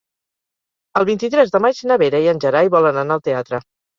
El vint-i-tres de maig na Vera i en Gerai volen anar al teatre.